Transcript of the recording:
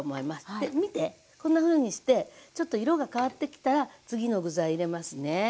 で見てこんなふうにしてちょっと色が変わってきたら次の具材入れますね。